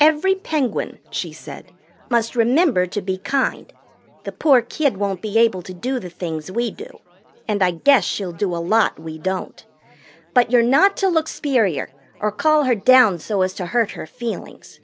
"Every Penguin," she said, "must remember to be kind. The poor kid won't be able to do the things we do, and I guess she'll do a lot we don't. But you're not to look s'perior or call her down so as to hurt her feelings.